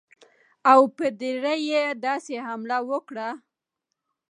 او پر دیر یې داسې حمله وکړه.